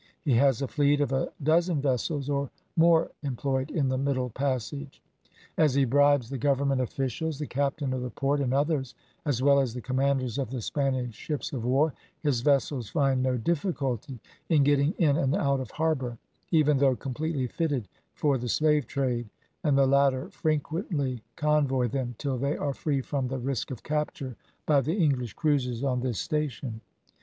He has a fleet of a dozen vessels or more employed in the middle passage. As he bribes the government officials, the captain of the port, and others, as well as the commanders of the Spanish ships of war, his vessels find no difficulty in getting in and out of harbour, even though completely fitted for the slave trade, and the latter frequently convoy them till they are free from the risk of capture by the English cruisers on this station.